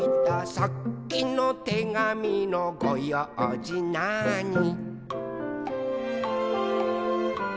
「さっきのてがみのごようじなーに」